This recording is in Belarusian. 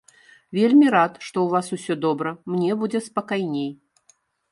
Вельмі рад, што ў вас усё добра, мне будзе спакайней.